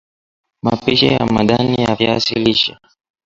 Mapishi ya majani ya viazi lishe